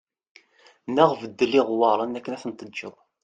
Neɣ beddel iɣewwaṛen akken ad ten-teǧǧeḍ